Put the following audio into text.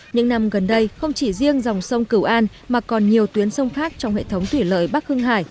những năm gần đây không chỉ riêng dòng sông cửu an mà còn nhiều tuyến sông khác trong hệ thống thủy lợi bắc hưng hải